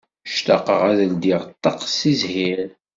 Ctaqeɣ ad ldiɣ ṭṭaq seg zhir.